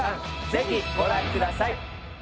ぜひご覧ください